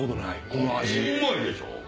うまいでしょ？